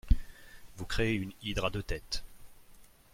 Vous créez une hydre à deux têtes